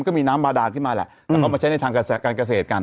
ก็มีน้ำบาดานขึ้นมาแหละแต่เขามาใช้ในทางการเกษตรกัน